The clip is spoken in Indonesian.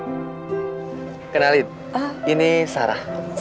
tuh dengerin enggak kayaknya aku masih betah disini